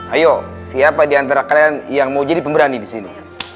ayo siapa diantara kalian yang mau jadi pemberani disini